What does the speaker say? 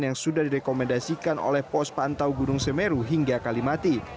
yang sudah direkomendasikan oleh pos pantau gunung semeru hingga kalimati